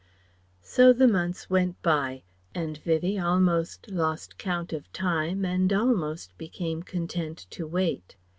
So the months went by, and Vivie almost lost count of time and almost became content to wait.